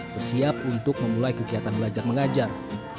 bersiap untuk memulai kegiatan belajar mengajar